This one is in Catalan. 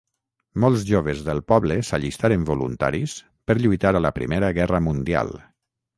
Molt joves del poble s'allistaren voluntaris per lluitar a la Primera Guerra Mundial.